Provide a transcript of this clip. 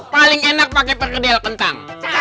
paling enak pakai perkedel kentang